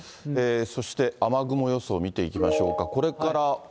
そして雨雲予想を見ていきましょうか。